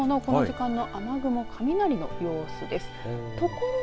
その北海道のこの時間の雨雲雷の様子です。